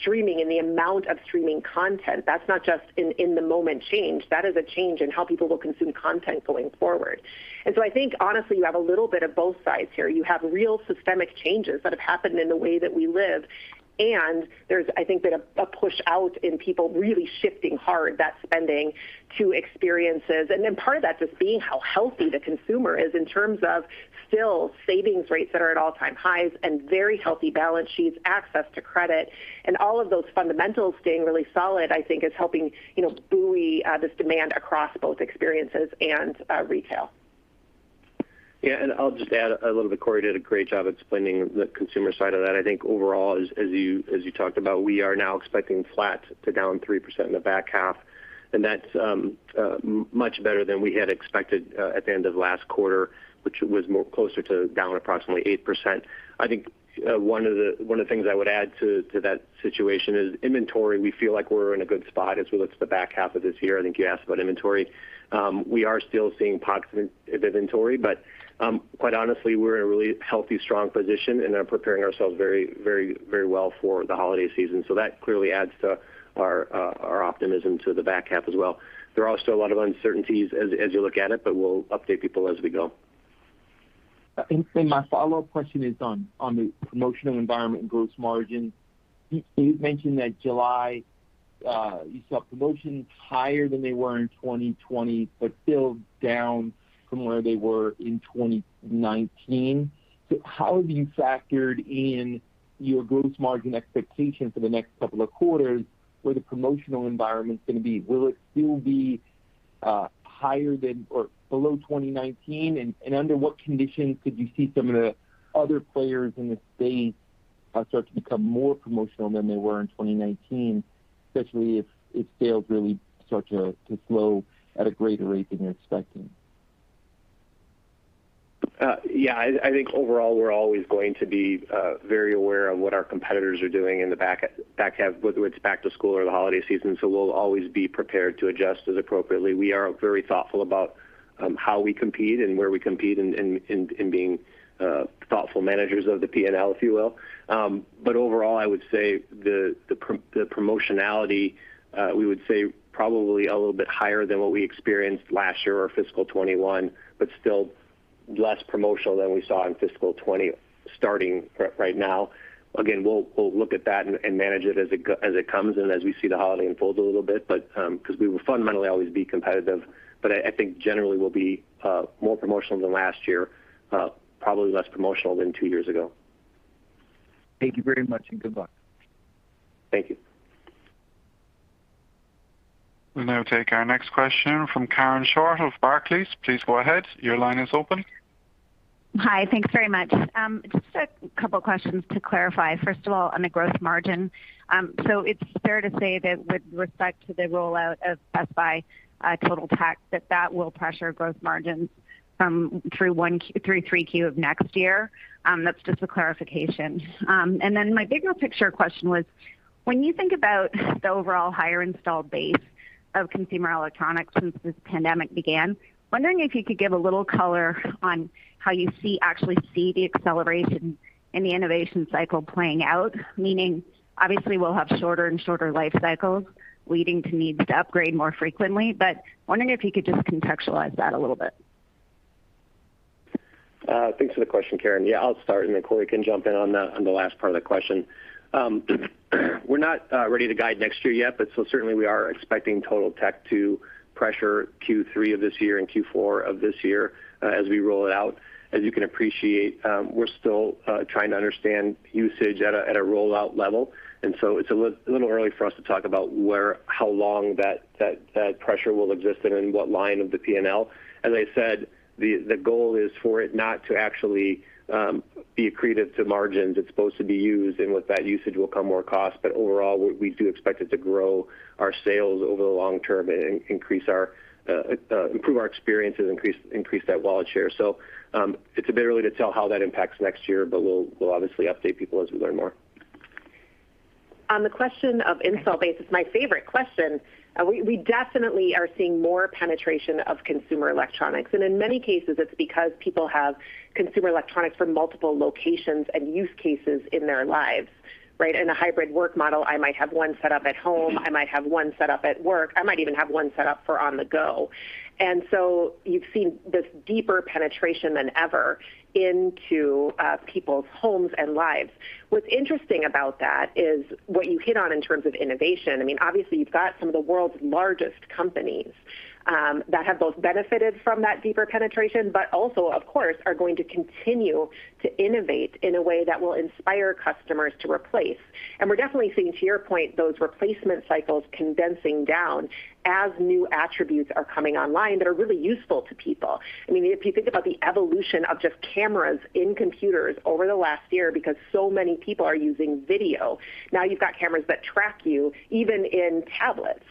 Speaker 2: Streaming and the amount of streaming content. That's not just an in-the-moment change. That is a change in how people will consume content going forward. I think, honestly, you have a little bit of both sides here. You have real systemic changes that have happened in the way that we live, and there's, I think, been a push out in people really shifting hard that spending to experiences. Part of that just being how healthy the consumer is in terms of, still, savings rates that are at all-time highs and very healthy balance sheets, access to credit, and all of those fundamentals staying really solid, I think, is helping buoy this demand across both experiences and retail.
Speaker 3: I'll just add a little bit. Corie did a great job explaining the consumer side of that. I think overall, as you talked about, we are now expecting flat to down 3% in the back half, and that's much better than we had expected at the end of last quarter, which was more closer to down approximately 8%. I think one of the things I would add to that situation is inventory. We feel like we're in a good spot as we look to the back half of this year. I think you asked about inventory. We are still seeing pockets of inventory, but quite honestly, we're in a really healthy, strong position, and are preparing ourselves very well for the holiday season. That clearly adds to our optimism to the back half as well. There are still a lot of uncertainties as you look at it, but we'll update people as we go.
Speaker 7: Then my follow-up question is on the promotional environment and gross margin. You mentioned that July, you saw promotions higher than they were in 2020, but still down from where they were in 2019. How have you factored in your gross margin expectation for the next couple of quarters where the promotional environment's going to be? Will it still be below 2019? Under what conditions could you see some of the other players in the space start to become more promotional than they were in 2019, especially if sales really start to slow at a greater rate than you're expecting?
Speaker 3: Yeah. I think overall, we're always going to be very aware of what our competitors are doing in the back half, whether it's back to school or the holiday season. We'll always be prepared to adjust as appropriately. We are very thoughtful about how we compete and where we compete and being thoughtful managers of the P&L, if you will. Overall, I would say the promotionality, we would say probably a little bit higher than what we experienced last year or fiscal 2021, but still less promotional than we saw in fiscal 2020, starting right now. Again, we'll look at that and manage it as it comes and as we see the holiday unfold a little bit, because we will fundamentally always be competitive. I think generally we'll be more promotional than last year, probably less promotional than two years ago.
Speaker 7: Thank you very much, and good luck.
Speaker 3: Thank you.
Speaker 4: We'll now take our next question from Karen Short of Barclays. Please go ahead. Your line is open.
Speaker 8: Hi. Thanks very much. Just two questions to clarify. First of all, on the gross margin. It's fair to say that with respect to the rollout of Best Buy Totaltech, that that will pressure gross margins through Q3 of next year? That's just a clarification. My bigger picture question was, when you think about the overall higher installed base of consumer electronics since this pandemic began, wondering if you could give a little color on how you actually see the acceleration in the innovation cycle playing out, meaning obviously we'll have shorter and shorter life cycles leading to needs to upgrade more frequently. Wondering if you could just contextualize that a little bit.
Speaker 3: Thanks for the question, Karen. Yeah, I'll start and then Corey can jump in on the last part of the question. We're not ready to guide next year yet. Certainly we are expecting Total Tech to pressure Q3 of this year and Q4 of this year as we roll it out. As you can appreciate, we're still trying to understand usage at a rollout level. It's a little early for us to talk about how long that pressure will exist and in what line of the P&L. As I said, the goal is for it not to actually be accretive to margins. It's supposed to be used. With that usage will come more cost. Overall, we do expect it to grow our sales over the long term and improve our experiences, increase that wallet share. It's a bit early to tell how that impacts next year, but we'll obviously update people as we learn more.
Speaker 2: On the question of install base, it's my favorite question. We definitely are seeing more penetration of consumer electronics, and in many cases it's because people have consumer electronics for multiple locations and use cases in their lives. Right? In a hybrid work model, I might have one set up at home, I might have one set up at work, I might even have one set up for on the go. You've seen this deeper penetration than ever into people's homes and lives. What's interesting about that is what you hit on in terms of innovation. Obviously you've got some of the world's largest companies that have both benefited from that deeper penetration, but also, of course, are going to continue to innovate in a way that will inspire customers to replace. We're definitely seeing, to your point, those replacement cycles condensing down as new attributes are coming online that are really useful to people. If you think about the evolution of just cameras in computers over the last year, because so many people are using video, now you've got cameras that track you even in tablets.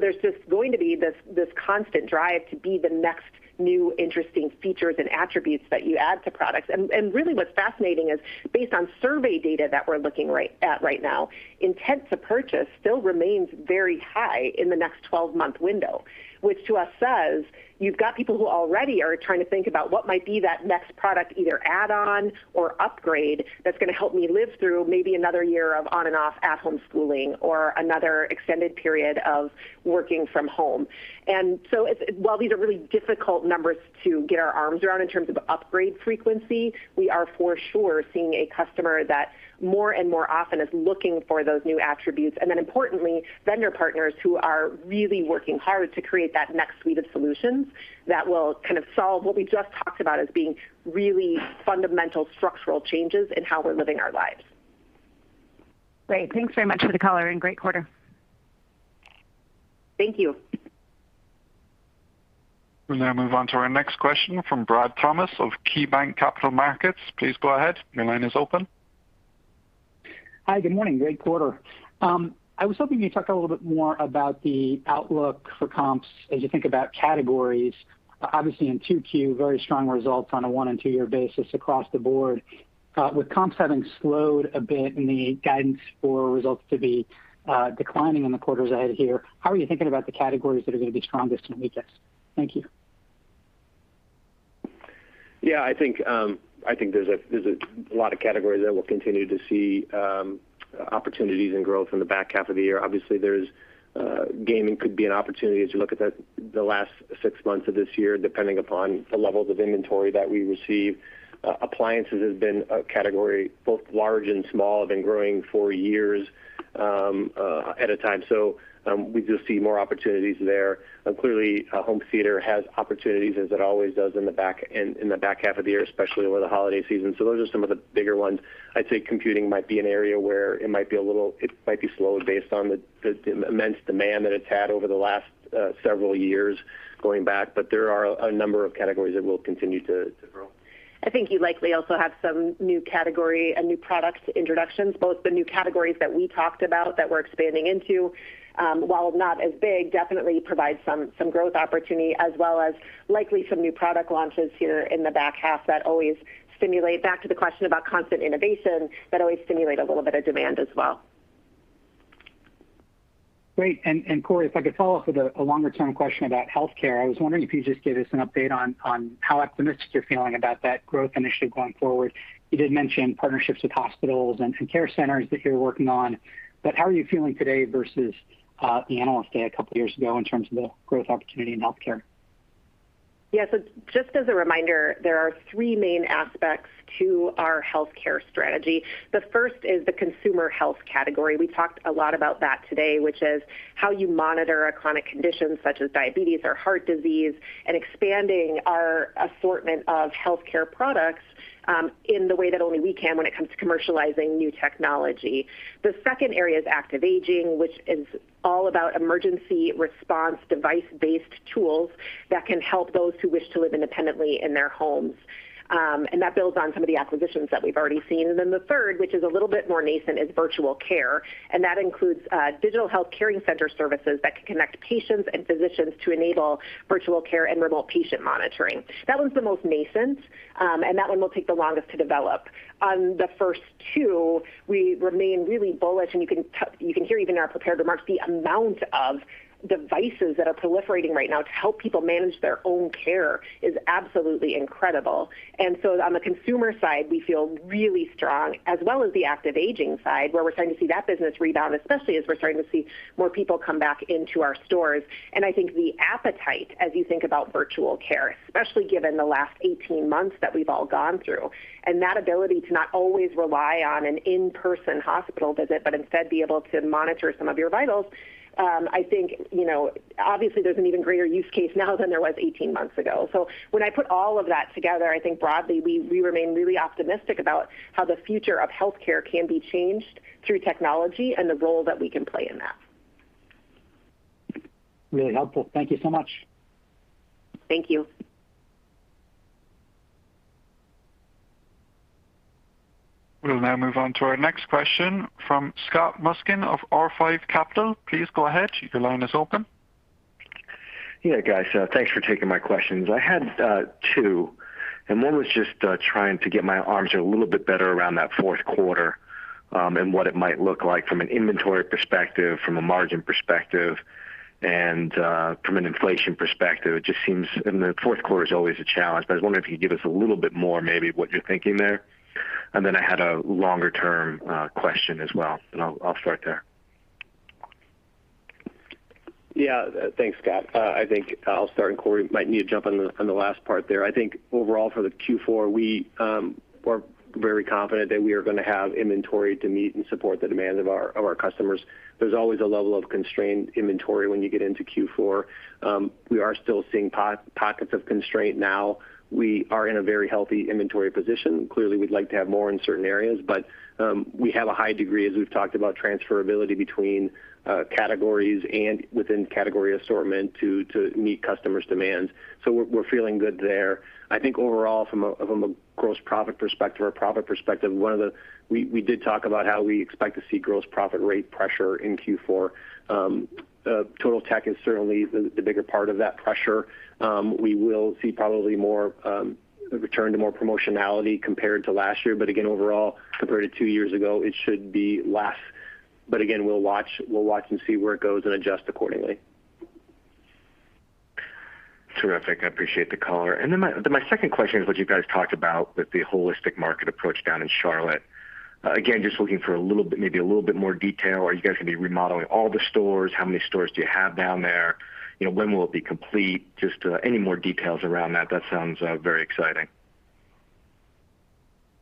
Speaker 2: There's just going to be this constant drive to be the next new interesting features and attributes that you add to products. Really what's fascinating is, based on survey data that we're looking at right now, intent to purchase still remains very high in the next 12-month window, which to us says you've got people who already are trying to think about what might be that next product, either add-on or upgrade, that's going to help me live through maybe another year of on and off at-home schooling or another extended period of working from home. While these are really difficult numbers to get our arms around in terms of upgrade frequency, we are for sure seeing a customer that more and more often is looking for those new attributes, and then importantly, vendor partners who are really working hard to create that next suite of solutions that will kind of solve what we just talked about as being really fundamental structural changes in how we're living our lives.
Speaker 8: Great. Thanks very much for the color and great quarter.
Speaker 2: Thank you.
Speaker 4: We'll now move on to our next question from Brad Thomas of KeyBanc Capital Markets. Please go ahead. Your line is open.
Speaker 9: Hi. Good morning. Great quarter. I was hoping you'd talk a little bit more about the outlook for comps as you think about categories. Obviously in 2Q, very strong results on a one and two-year basis across the board. With comps having slowed a bit and the guidance for results to be declining in the quarters ahead here, how are you thinking about the categories that are going to be strongest and weakest? Thank you.
Speaker 3: Yeah, I think there's a lot of categories that we'll continue to see opportunities and growth in the back half of the year. Obviously, gaming could be an opportunity as you look at the last six months of this year, depending upon the levels of inventory that we receive. Appliances has been a category, both large and small, have been growing for years at a time. We just see more opportunities there. Clearly, home theater has opportunities as it always does in the back half of the year, especially over the holiday season. Those are some of the bigger ones. I'd say computing might be an area where it might be slowed based on the immense demand that it's had over the last several years going back. There are a number of categories that will continue to grow.
Speaker 2: I think you likely also have some new category and new product introductions, both the new categories that we talked about that we're expanding into, while not as big, definitely provide some growth opportunity as well as likely some new product launches here in the back half, back to the question about constant innovation, that always stimulate a little bit of demand as well.
Speaker 9: Great. Corie, if I could follow up with a longer-term question about healthcare. I was wondering if you could just give us an update on how optimistic you're feeling about that growth initiative going forward. You did mention partnerships with hospitals and care centers that you're working on, but how are you feeling today versus the Analyst Day a couple of years ago in terms of the growth opportunity in healthcare?
Speaker 2: Yeah. Just as a reminder, there are three main aspects to our healthcare strategy. The first is the consumer health category. We talked a lot about that today, which is how you monitor a chronic condition such as diabetes or heart disease, and expanding our assortment of healthcare products in the way that only we can when it comes to commercializing new technology. The second area is active aging, which is all about emergency response device-based tools that can help those who wish to live independently in their homes. That builds on some of the acquisitions that we've already seen. The third, which is a little bit more nascent, is virtual care, and that includes digital health caring center services that can connect patients and physicians to enable virtual care and remote patient monitoring. That one's the most nascent, and that one will take the longest to develop. On the first two, we remain really bullish, and you can hear even in our prepared remarks, the amount of devices that are proliferating right now to help people manage their own care is absolutely incredible. On the consumer side, we feel really strong, as well as the active aging side, where we're starting to see that business rebound, especially as we're starting to see more people come back into our stores. I think the appetite, as you think about virtual care, especially given the last 18 months that we've all gone through, and that ability to not always rely on an in-person hospital visit, but instead be able to monitor some of your vitals. I think, obviously there's an even greater use case now than there was 18 months ago. When I put all of that together, I think broadly, we remain really optimistic about how the future of healthcare can be changed through technology and the role that we can play in that.
Speaker 9: Really helpful. Thank you so much.
Speaker 2: Thank you.
Speaker 4: We'll now move on to our next question from Scott Mushkin of R5 Capital. Please go ahead. Your line is open.
Speaker 10: Yeah, guys. Thanks for taking my questions. I had two, and one was just trying to get my arms a little bit better around that fourth quarter, and what it might look like from an inventory perspective, from a margin perspective and, from an inflation perspective. It just seems the fourth quarter is always a challenge, but I was wondering if you could give us a little bit more, maybe of what you're thinking there. I had a longer-term question as well, and I'll start there.
Speaker 3: Yeah. Thanks, Scott. I think I'll start, and Corie might need to jump in on the last part there. I think overall for the Q4, we're very confident that we are going to have inventory to meet and support the demand of our customers. There's always a level of constrained inventory when you get into Q4. We are still seeing pockets of constraint now. We are in a very healthy inventory position. Clearly, we'd like to have more in certain areas, but we have a high degree, as we've talked about, transferability between categories and within category assortment to meet customers' demands. We're feeling good there. I think overall, from a gross profit perspective or a profit perspective, we did talk about how we expect to see gross profit rate pressure in Q4. Total-Tech is certainly the bigger part of that pressure. We will see probably more return to more promotionality compared to last year. Again, overall, compared to two years ago, it should be less. Again, we'll watch and see where it goes and adjust accordingly.
Speaker 10: Terrific. I appreciate the color. My second question is what you guys talked about with the holistic market approach down in Charlotte. Again, just looking for maybe a little bit more detail. Are you guys going to be remodeling all the stores? How many stores do you have down there? When will it be complete? Just any more details around that. That sounds very exciting.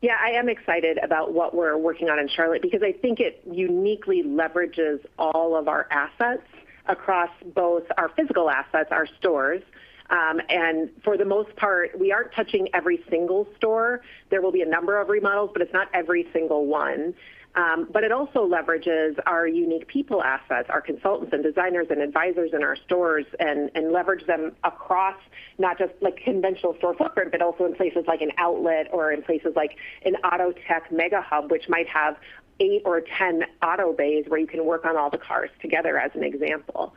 Speaker 2: Yeah. I am excited about what we're working on in Charlotte because I think it uniquely leverages all of our assets across both our physical assets, our stores. For the most part, we aren't touching every single store. There will be a number of remodels, but it's not every single one. It also leverages our unique people assets, our consultants and designers and advisors in our stores, and leverage them across not just conventional store footprint, but also in places like an outlet or in places like an auto tech mega hub, which might have 8 or 10 auto bays where you can work on all the cars together, as an example.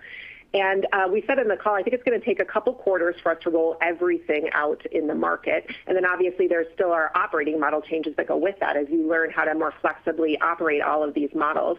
Speaker 2: We said on the call, I think it's going to take a couple quarters for us to roll everything out in the market. Obviously, there still are operating model changes that go with that as you learn how to more flexibly operate all of these models.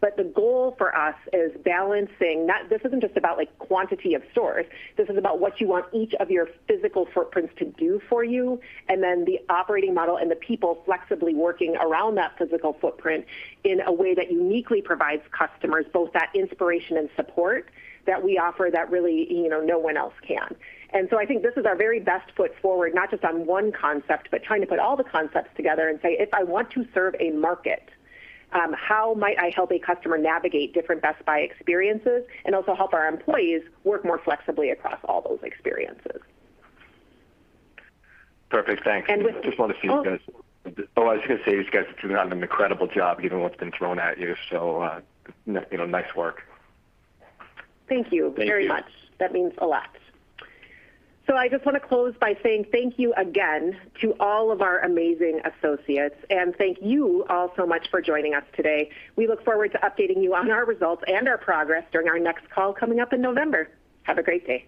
Speaker 2: The goal for us is balancing. This isn't just about quantity of stores. This is about what you want each of your physical footprints to do for you, and then the operating model and the people flexibly working around that physical footprint in a way that uniquely provides customers both that inspiration and support that we offer that really, no one else can. I think this is our very best foot forward, not just on one concept, but trying to put all the concepts together and say, "If I want to serve a market, how might I help a customer navigate different Best Buy experiences and also help our employees work more flexibly across all those experiences?
Speaker 10: Perfect. Thanks.
Speaker 2: And with-
Speaker 10: You guys have done an incredible job given what's been thrown at you, so nice work.
Speaker 2: Thank you.
Speaker 3: Thank you.
Speaker 2: Very much. That means a lot. I just want to close by saying thank you again to all of our amazing associates, and thank you all so much for joining us today. We look forward to updating you on our results and our progress during our next call coming up in November. Have a great day.